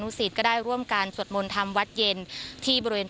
ศิษย์ก็ได้ร่วมการสวดมนต์ทำวัดเย็นที่บริเวณ